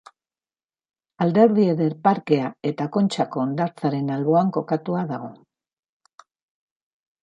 Alderdi Eder parkea eta Kontxako hondartzaren alboan kokatua dago.